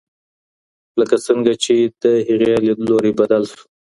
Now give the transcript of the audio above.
لکه څنګه چې د هغې لیدلوری بدل شو.